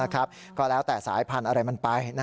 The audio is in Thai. ก็แล้วแต่สายพันธุ์อะไรมันไป